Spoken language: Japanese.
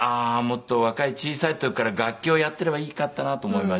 もっと若い小さい時から楽器をやっていればよかったなと思いました。